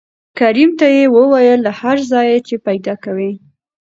کريم ته يې وويل له هر ځايه چې پېدا کوې.